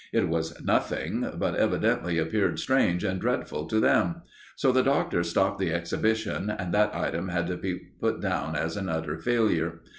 It was nothing, but evidently appeared strange and dreadful to them; so the Doctor stopped the exhibition, and that item can be put down as an utter failure.